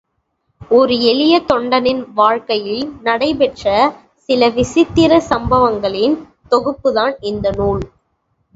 ஒரு எளிய தொண்டனின் வாழ்க்கையில் நடைபெற்ற சில விசித்திரச் சம்பவங்களின் தொகுப்புத்தான் இந்நூல்.